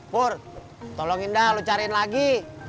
pur tolong indah lo cariin lagi